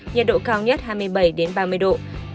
nhiệt độ cao nhất hai mươi bảy ba mươi độ